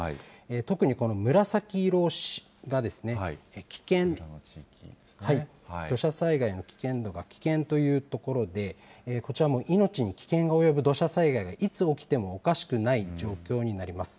特ににこの紫色が、土砂災害の危険度が危険という所で、こちらも命に危険が及ぶ土砂災害がいつ起きてもおかしくない状況になります。